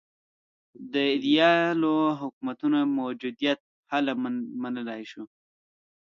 د ایدیالو حکومتونو موجودیت هله منلای شو.